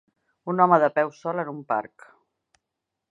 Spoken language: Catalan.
Un home de peu sol en un parc.